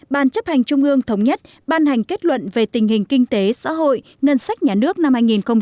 ban chấp hành trung ương thống nhất ban hành kết luận về tình hình kinh tế xã hội ngân sách nhà nước năm hai nghìn một mươi chín